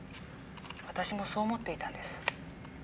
私もそう思っていたんです。